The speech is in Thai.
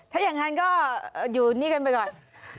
ถ้าอย่างนั้นก็ยังไงก็ไปก่อน